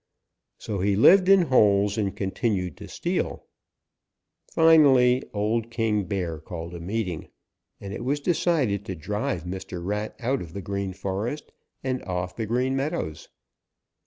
So he lived in holes and continued to steal. Finally old King Bear called a meeting, and it was decided to drive Mr. Rat out of the Green Forest and off the Green Meadows.